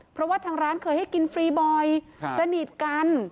เพราะว่าทางร้านเคยให้กินฟรีบ่อยสนิทกัน